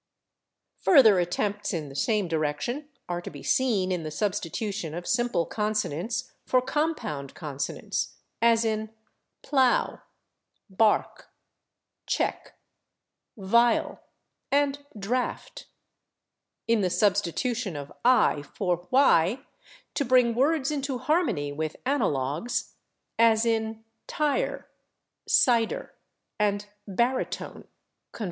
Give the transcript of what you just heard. Further attempts in the same direction are to be seen in the substitution of simple consonants for compound consonants, as in /plow/, /bark/, /check/, /vial/ and /draft/; in the substitution of /i/ for /y/ to bring words into harmony with analogues, as in /tire/, /cider/ and /baritone/ (/cf.